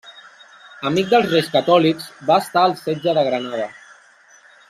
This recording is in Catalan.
Amic dels Reis Catòlics, va estar al setge de Granada.